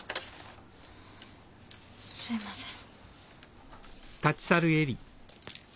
すいません。